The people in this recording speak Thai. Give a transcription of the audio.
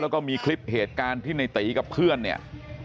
แล้วก็มีคลิปเหตุการณ์ที่ในตีกับเพื่อนเนี่ย